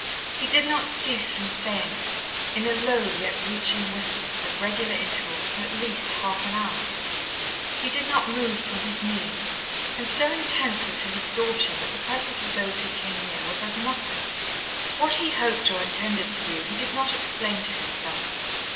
He did not cease from saying it, in a low yet reaching whisper, at regular intervals, for at least half an hour. He did not move from his knees, and so intense was his absorption that the presence of those who came near was as nothing. What he hoped or intended to do he did not explain to himself.